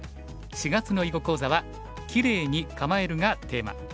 ４月の囲碁講座は「キレイに構える」がテーマ。